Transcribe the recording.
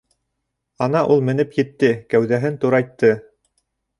Ана ул менеп етте, кәүҙәһен турайтты.